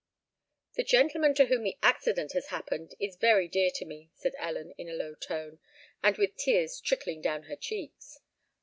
"The gentleman to whom the accident has happened, is very dear to me," said Ellen, in a low tone, and with tears trickling down her cheeks.